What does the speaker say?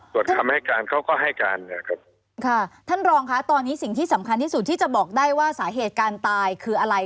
ส่วนคำให้การเขาก็ให้การนะครับค่ะท่านรองค่ะตอนนี้สิ่งที่สำคัญที่สุดที่จะบอกได้ว่าสาเหตุการตายคืออะไร